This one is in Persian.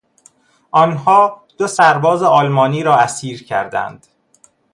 آنها دو سرباز آلمانی را اسیر کردند.